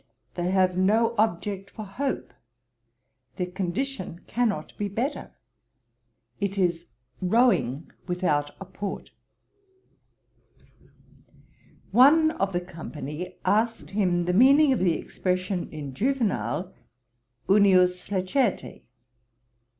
'They have no object for hope. Their condition cannot be better. It is rowing without a port.' One of the company asked him the meaning of the expression in Juvenal, unius lacertæ.